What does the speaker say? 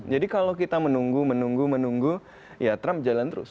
jadi kalau kita menunggu menunggu menunggu ya trump jalan terus